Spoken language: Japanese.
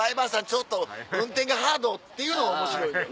ちょっと運転がハード。っていうのが面白いのよ。